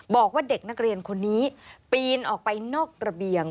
บอกว่าเด็กนักเรียนคนนี้ปีนออกไปนอกระเบียง